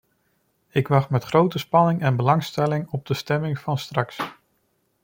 Ik wacht met grote spanning en belangstelling op de stemming van straks.